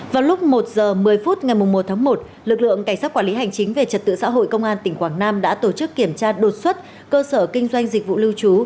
vào lúc một h một mươi phút ngày một tháng một lực lượng cảnh sát quản lý hành chính về trật tự xã hội công an tỉnh quảng nam đã tổ chức kiểm tra đột xuất cơ sở kinh doanh dịch vụ lưu trú